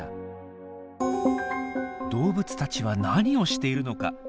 動物たちは何をしているのか？